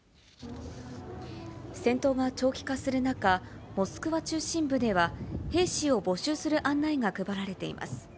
戦闘が長期化する中、モスクワ中心部では、兵士を募集する案内が配られています。